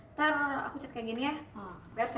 ntar aku cat kayak gini ya